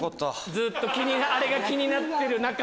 ずっとあれが気になってる中。